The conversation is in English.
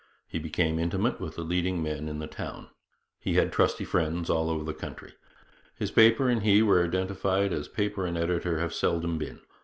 He became intimate with the leading men in the town. He had trusty friends all over the country. His paper and he were identified as paper and editor have seldom been.